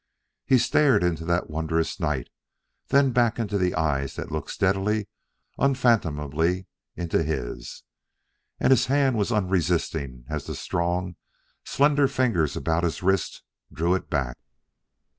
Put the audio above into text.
He stared into that wondrous night, then back into the eyes that looked steadily, unfathomably, into his.... And his hand was unresisting as the strong, slender fingers about his wrist drew it back....